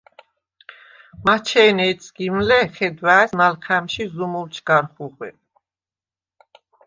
მაჩე̄ნე ეჯ სგიმ ლ’ე̄, ხედვა̄̈ის ნალჴა̈მში ზუმულდშვ გარ ხუღვე.